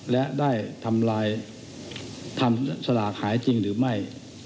และได้ทำลายทำสลากหายจริงหรือไม่